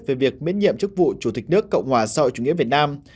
về việc biến nhiệm chức vụ chủ tịch đức cộng hòa soi chủ nghĩa việt nam